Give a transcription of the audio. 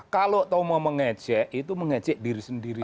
kalau tau mau mengecek itu mengecek diri sendiri